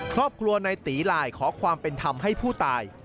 ครอบครัวในตีไลน์ขอความเป็นธรรมให้ผู้ตาย